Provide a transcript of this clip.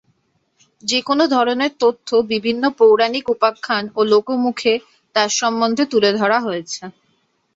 যে-কোন ধরনের তথ্য বিভিন্ন পৌরাণিক উপাখ্যান ও লোকমুখে তার সম্বন্ধে তুলে ধরা হয়েছে।